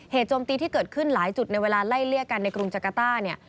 โจมตีที่เกิดขึ้นหลายจุดในเวลาไล่เลี่ยกันในกรุงจักรต้าเนี่ย